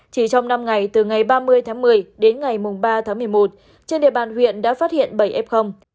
chỉ trong năm ngày từ ngày ba mươi tháng một mươi đến ngày ba tháng một mươi một trên địa bàn huyện đã phát hiện bảy f